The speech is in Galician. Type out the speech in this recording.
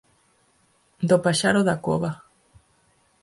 Do paxaro da cova.